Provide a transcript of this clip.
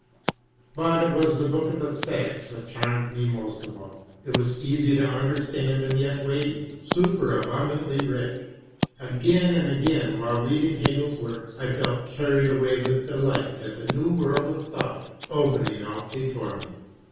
But it was the book on ^Esthetics that charmed me most of all. It was easy to understand, and yet weighty, super abundantly rich. Again and again while reading Hegel's works I felt carried away with delight at the new world of thought open ing out before me.